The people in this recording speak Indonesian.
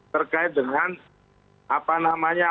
terkait dengan apa namanya